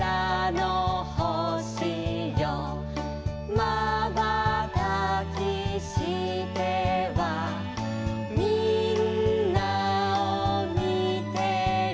「まばたきしてはみんなをみてる」